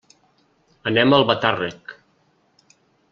Anem a Albatàrrec.